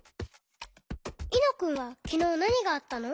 いのくんはきのうなにがあったの？